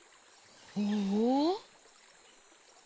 おお。